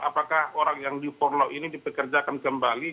apakah orang yang di forlo ini dipekerjakan kembali